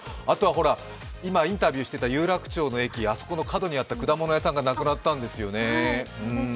あとは、今、インタビューしていた有楽町の駅、あそこの角にあった果物屋さんがなくなったんですよね。